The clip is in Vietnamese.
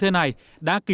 ông dắt đi